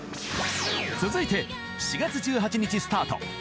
［続いて４月１８日スタート］